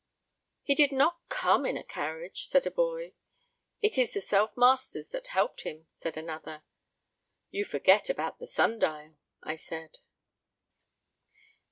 "He did not come in a carriage," said a boy. "It is the Self Masters that helped him," said another. "You forget about the Sun dial," I said.